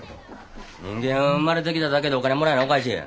人間生まれてきただけでお金もらえなおかしいんや。